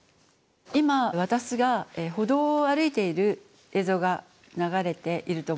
今私が歩道を歩いている映像が流れていると思います。